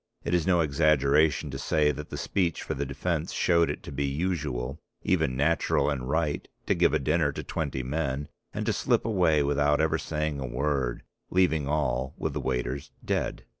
It is no exaggeration to say that the speech for the defence showed it to be usual, even natural and right, to give a dinner to twenty men and to slip away without ever saying a word, leaving all, with the waiters, dead.